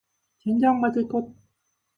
젠장맞을 것